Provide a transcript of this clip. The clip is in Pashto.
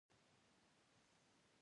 د نیالګیو قوریې په هر ولایت کې شته.